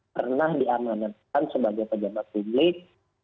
pernah diamanatkan sebagai pejabat publik